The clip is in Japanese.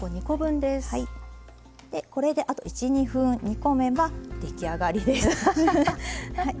これであと１２分煮込めば出来上がりです。